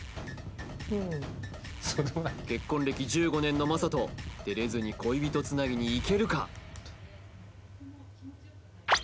結婚歴１５年の魔裟斗てれずに恋人繋ぎにいけるか？